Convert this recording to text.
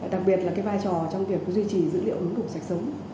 đặc biệt là vai trò trong việc duy trì dữ liệu ứng cục sạch sống